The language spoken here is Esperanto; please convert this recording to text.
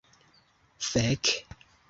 Fek!